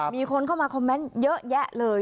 มีคนเข้ามาคอมเมนต์เยอะแยะเลย